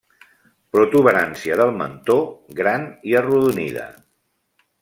Protuberància del mentó gran i arrodonida.